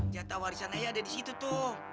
jatah warisan aja ada di situ tuh